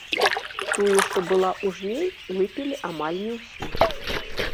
Тую, што была ў жней, выпілі амаль не ўсю.